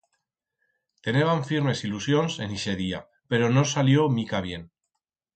Teneban firmes ilusions en ixe día, pero no salió mica bien.